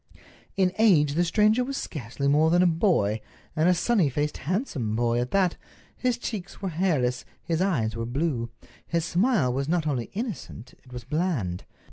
In age the stranger was scarcely more than a boy, and a sunny faced, handsome boy at that. His cheeks were hairless, his eyes were blue. His smile was not only innocent, it was bland.